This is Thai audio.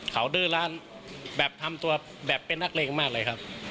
เขาดื้อร้านแบบทำตัวแบบเป็นนักเลงมากเลยครับ